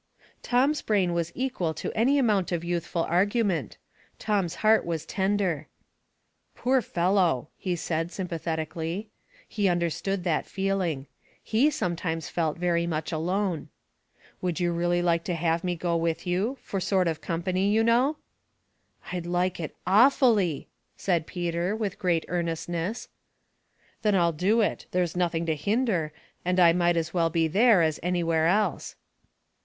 Tom's brain was equal to any amount of youthful argument. Tom's heart was tender. "Poor fellow," he said, sympathetically. He understood that feeling. He sometimes felt very much alone. " Would you really like to have me go with you, for sort of company, you know ?" "I'd like it awfully ^'^ said Peter, with great earnestness. "Then I'll do it; there's nothing to hinder, and I might as well be there as anywhere else."